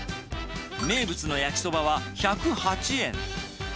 名物の焼きそばは１０８円。